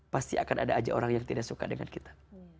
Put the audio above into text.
pasti akan ada aja orang yang tidak suka dengan kita